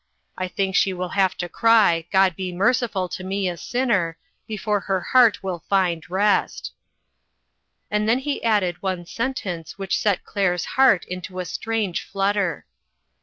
I think she will have to cry, ' God be merci ful to rne a sinner,' before her heart will find rest." And . then he added one sentence which set Claire's heart into a strange flutter: 41 8 INTERRUPTED.